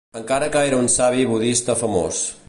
Encara que era un savi budista famós.